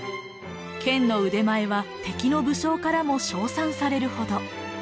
剣の腕前は敵の武将からも称賛されるほど。